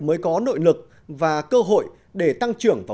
mới có nội lực và cơ hội để tăng trưởng và